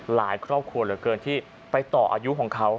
ครอบครัวเหลือเกินที่ไปต่ออายุของเขา